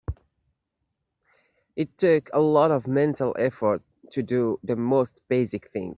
It took a lot of mental effort to do the most basic things.